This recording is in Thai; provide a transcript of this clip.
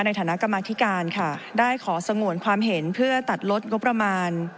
ในฐานะกรรมธิการค่ะได้ขอสงวนความเห็นเพื่อตัดลดงบประมาณ